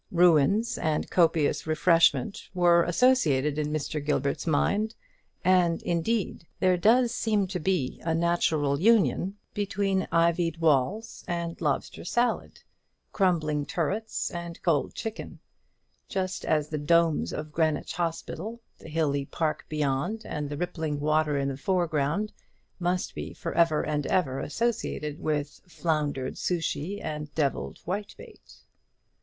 Ruins and copious refreshment ware associated in Mr. Gilbert's mind; and, indeed, there does seem to be a natural union between ivied walls and lobster salad, crumbling turrets and cold chicken; just as the domes of Greenwich Hospital, the hilly park beyond, and the rippling water in the foreground, must be for ever and ever associated with floundered souchy and devilled whitebait.